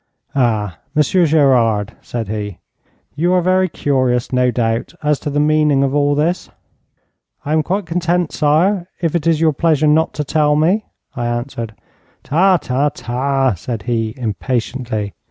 'Ah, Monsieur Gerard,' said he, 'you are very curious, no doubt, as to the meaning of all this?' 'I am quite content, sire, if it is your pleasure not to tell me,' I answered. 'Ta, ta, ta,' said he impatiently.